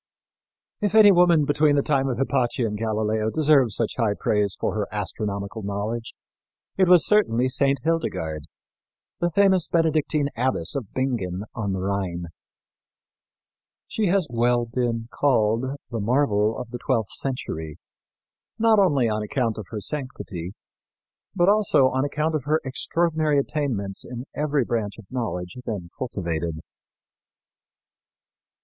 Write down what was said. If any woman between the time of Hypatia and Galileo deserved such high praise for her astronomical knowledge it was certainly Saint Hildegard, the famous Benedictine abbess of Bingen on the Rhine. She has well been called "the marvel of the twelfth century," not only on account of her sanctity, but also on account of her extraordinary attainments in every branch of knowledge then cultivated.